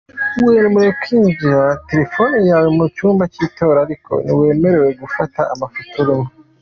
Wemerewe kwinjirana telephone yawe mu cyumba cy’itora ariko ntiwemerewe gufata amafoto urimo.